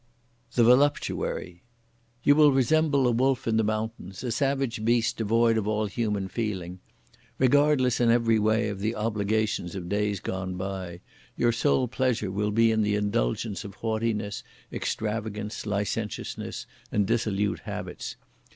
The Voluptuary. You will resemble a wolf in the mountains! a savage beast devoid of all human feeling! Regardless in every way of the obligations of days gone by, your sole pleasure will be in the indulgence of haughtiness, extravagance, licentiousness and dissolute habits!